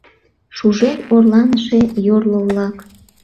Шужен орланыше йорло-влак!